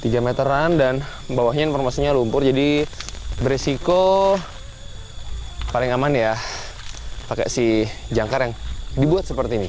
tiga meteran dan bawahnya informasinya lumpur jadi beresiko paling aman ya pakai si jangkar yang dibuat seperti ini